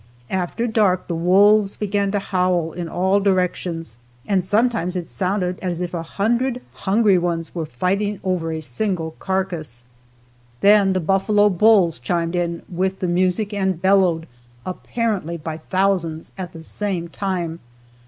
After dark the wolves began to howl in all directions and sometimes it sounded as if a hundred hungry ones were fighting over a single carcass. Then the buffalo bulls chimed in with the music and bellowed, apparently by thousands, at the same time.